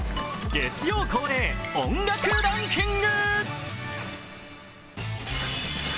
月曜恒例、音楽ランキング。